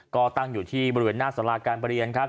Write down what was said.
ก็ตั้งอยู่ที่บริเวณหน้าสาราการประเรียนครับ